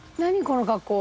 この格好。